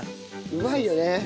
うまいよね